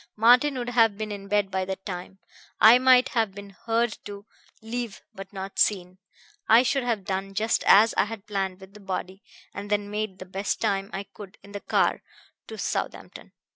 Martin would have been in bed by that time. I might have been heard to leave, but not seen. I should have done just as I had planned with the body, and then made the best time I could in the car to Southampton.